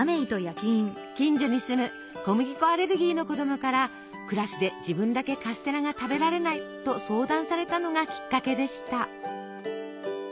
近所に住む小麦粉アレルギーの子供からクラスで自分だけカステラが食べられないと相談されたのがきっかけでした。